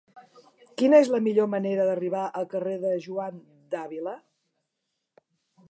Quina és la millor manera d'arribar al carrer de Juan de Ávila?